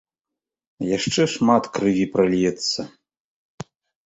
Яшчэ шмат крыві пральецца.